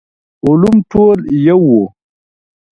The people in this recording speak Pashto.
علوم ټول يو وو.